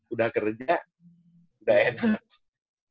udah kerja udah enak